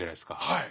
はい。